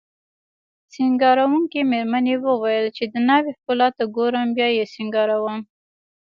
سینګاروونکې میرمنې وویل چې د ناوې ښکلا ته ګورم بیا یې سینګاروم